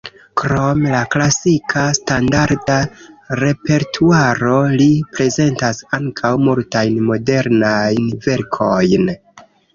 Krom la klasika standarda repertuaro, li prezentas ankaŭ multajn modernajn verkojn.